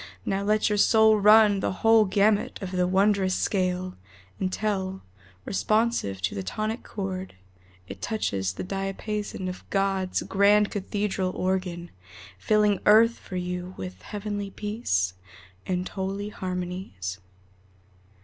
Now let your soul run the whole gamut of the wondrous scale Until, responsive to the tonic chord, It touches the diapason of God's grand cathedral organ, Filling earth for you with heavenly peace And holy harmonies.